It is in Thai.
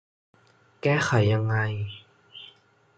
แก้ไขยังไง